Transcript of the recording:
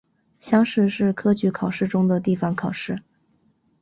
乡试是科举考试中的地方考试。